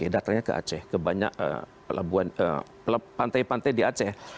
datangnya ke aceh ke banyak pantai pantai di aceh